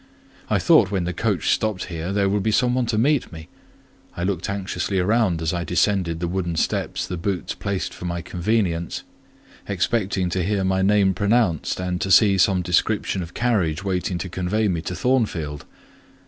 I thought when the coach stopped here there would be some one to meet me; I looked anxiously round as I descended the wooden steps the "boots" placed for my convenience, expecting to hear my name pronounced, and to see some description of carriage waiting to convey me to Thornfield.